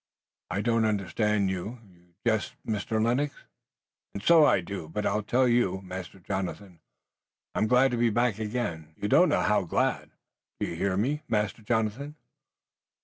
"I don't understand you. You jest, Mr. Lennox." "And so I do, but I tell you, Master Jonathan, I'm glad to be back again, you don't know how glad. Do you hear me, Master Jonathan?